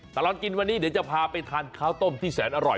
ตลอดกินวันนี้เดี๋ยวจะพาไปทานข้าวต้มที่แสนอร่อย